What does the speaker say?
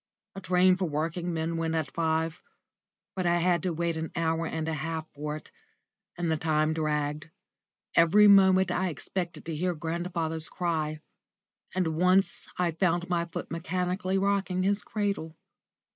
A train for working men went at five, but I had to wait an hour and a half for it, and the time dragged. Every moment I expected to hear grandfather's cry, and once I found my foot mechanically rocking his cradle.